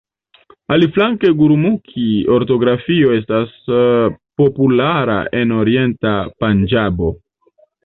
Aliflanke gurumukhi-ortografio estas populara en orienta Panĝabo.